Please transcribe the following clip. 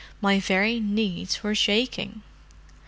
My very knees were shaking!"